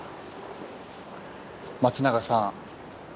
松永さん